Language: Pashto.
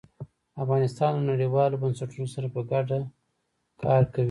افغانستان له نړیوالو بنسټونو سره په ګډه کار کوي.